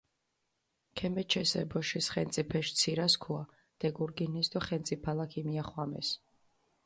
ქემეჩეს ე ბოშის ხენწიფეში ცირასქუა, დეგურგინეს დო ხენწიფალა ქიმიახვამეს.